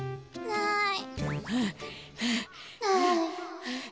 ない。